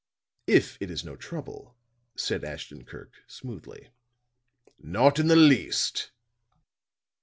"If it is no trouble," said Ashton Kirk, smoothly. "Not in the least."